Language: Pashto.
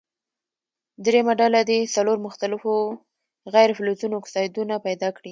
دریمه ډله دې څلور مختلفو غیر فلزونو اکسایدونه پیداکړي.